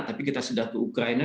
tapi kita sudah ke ukraina